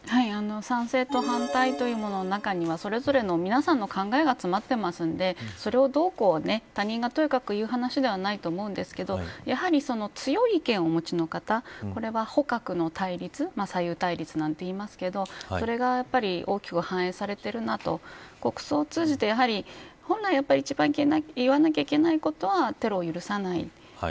賛成と反対というものの中にはそれぞれの皆さんの考えが詰まってますんでそれをどうこう、他人がとやかく言う話ではないと思うんですけどやはり、強い意見をお持ちの方これは保革の対立左右対立なんて言いますけどこれが大きく反映されているなと国葬を通じて本来一番言わなくてはいけないことはテロを許さない。